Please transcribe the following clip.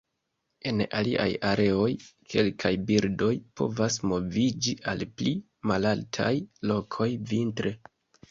En aliaj areoj, kelkaj birdoj povas moviĝi al pli malaltaj lokoj vintre.